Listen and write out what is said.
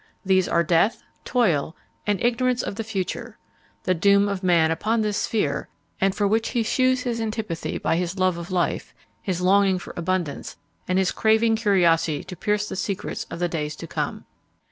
These are death, toil, and ignorance of the future the doom of man upon this sphere, and for which he shews his antipathy by his love of life, his longing for abundance, and his craving curiosity to pierce the secrets of the days to come.